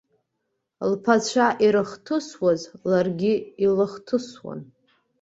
Лԥацәа ирыхҭысуаз ларгьы илыхҭысуан.